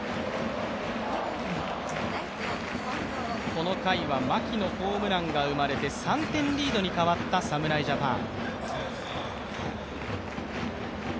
この回は牧のホームランが出て３点リードに変わった侍ジャパン。